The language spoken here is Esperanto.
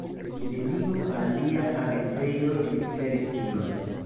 Neniu alia agentejo ricevis tiom.